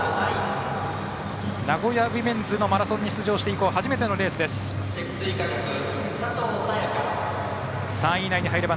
名古屋ウィメンズのマラソンに出場して以降初めての出場。